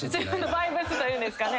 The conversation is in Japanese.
バイブスというんですかね。